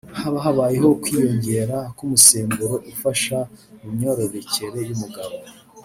haba habayeho kwiyongera k’umusemburo ufasha mu myororokere y’umugabo